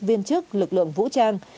viên chức lực lượng vũ trang